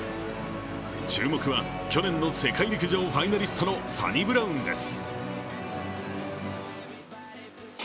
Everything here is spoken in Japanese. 注目は去年の世界陸上ファイナリストのサニブラウンです。